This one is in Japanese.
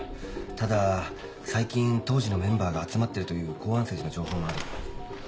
ただ最近当時のメンバーが集まってるという公安筋の情報もある。